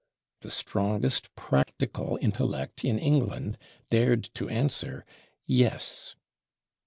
The strongest practical intellect in England dared to answer, Yes!